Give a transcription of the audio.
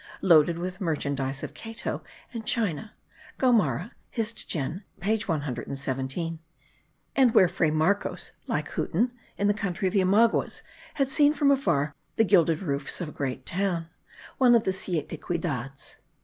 ] loaded with the merchandise of Catayo and China (Gomara, Hist. Gen. page 117), and where Fray Marcos (like Huten in the country of the Omaguas) had seen from afar the gilded roofs of a great town, one of the Siete Ciudades.